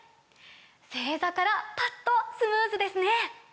正座からパッとスムーズですね！